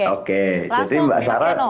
oke jadi mbak sarah